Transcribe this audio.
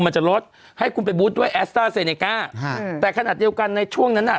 มันจะลดให้คุณไปบู๊สด้วยค่ะแต่ขนาดเดียวกันในช่วงนั้นน่ะ